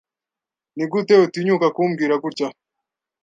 Nigute utinyuka kumbwira gutya?